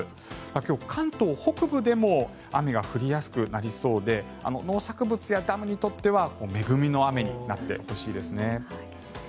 今日、関東北部でも雨が降りやすくなりそうで農作物やダムにとっては恵みの雨になってほしいですね。